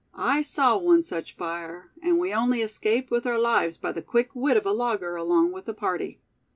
I saw one such fire, and we only escaped with our lives by the quick wit of a logger along with the party."